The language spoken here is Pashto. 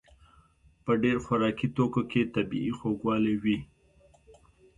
په ډېر خوراکي توکو کې طبیعي خوږوالی وي.